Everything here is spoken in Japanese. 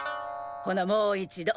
ほなもう一度。